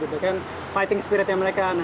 dan sifat pertempuran mereka